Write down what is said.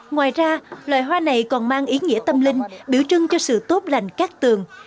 ngoài ra loại hoa này còn mang ý nghĩa tâm linh biểu trưng cho sự tốt lành các tường